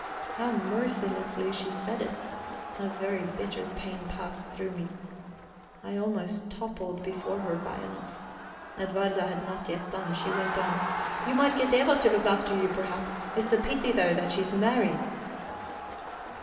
How mercilessly she said it! A very bitter pain passed through me. I almost toppled before her violence. Edwarda had not yet done; she went on: "You might get Eva to look after you, perhaps. It's a pity though, that she's married."